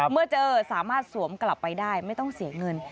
เมื่อเจอสามารถสวมกลับไปได้ไม่ต้องเสียเงิน